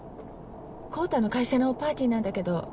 昂太の会社のパーティーなんだけど。